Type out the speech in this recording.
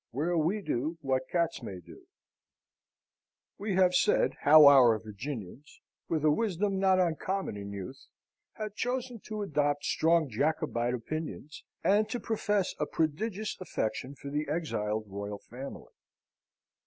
Where we do what Cats may do We have said how our Virginians, with a wisdom not uncommon in youth, had chosen to adopt strong Jacobite opinions, and to profess a prodigious affection for the exiled royal family.